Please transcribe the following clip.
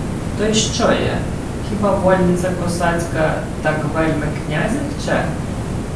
— То й що є? Хіба вольниця косацька так вельми князя хче?